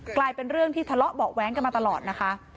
กลายเป็นเรื่องที่ทะเลาะเบาะแว้งกันมาตลอดนะคะ